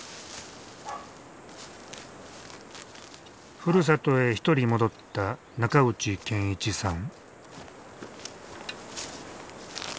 ふるさとへ一人戻った中内健一さん。